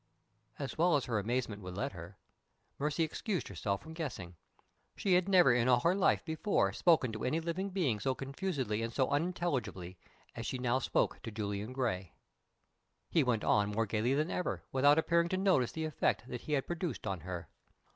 As well as her amazement would let her, Mercy excused herself from guessing. She had never in all her life before spoken to any living being so confusedly and so unintelligently as she now spoke to Julian Gray! He went on more gayly than ever, without appearing to notice the effect that he had produced on her.